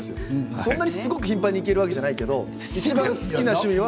そんなにすごく頻繁にするわけじゃないけどいちばん好きな趣味は。